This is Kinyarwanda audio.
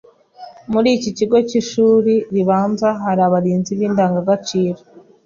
Muri buri kigo cy’ishuri ribanza hari abarinzi b’indangagaciro